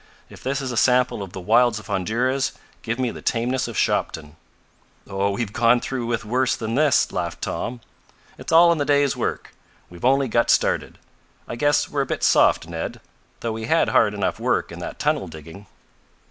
If this is a sample of the wilds of Honduras, give me the tameness of Shopton." "Oh, we've gone through with worse than this," laughed Tom. "It's all in the day's work. We've only got started. I guess we're a bit soft, Ned, though we had hard enough work in that tunnel digging."